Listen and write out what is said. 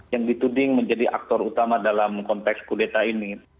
yang dituding menjadi aktor utama dalam konteks kudeta ini